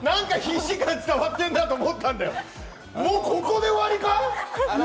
何か必死感、伝わってるなと思ったら、もうここで終わりかい？